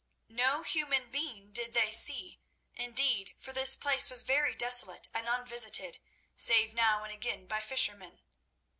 No human being did they see, indeed, for this place was very desolate and unvisited, save now and again by fishermen.